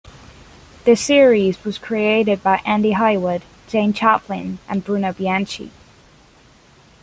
The series was created by Andy Heyward, Jean Chalopin, and Bruno Bianchi.